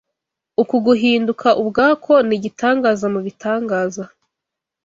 Uku guhinduka ubwako ni igitangaza mu bitangaza